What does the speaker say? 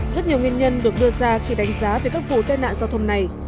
rất nhiều nguyên nhân được đưa ra khi đánh giá về các vụ tai nạn giao thông này